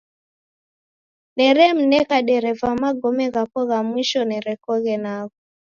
Neremneka dereva magome ghapo gha mwisho nerekoghe nagho.